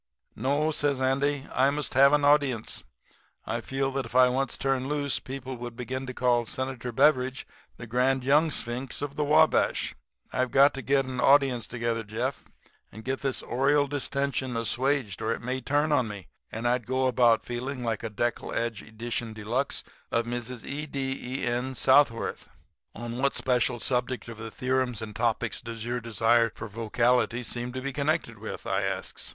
"'No,' says Andy, 'I must have an audience. I feel like if I once turned loose people would begin to call Senator Beveridge the Grand Young Sphinx of the Wabash. I've got to get an audience together, Jeff, and get this oral distension assuaged or it may turn in on me and I'd go about feeling like a deckle edge edition de luxe of Mrs. E. D. E. N. Southworth.' "'On what special subject of the theorems and topics does your desire for vocality seem to be connected with?' I asks.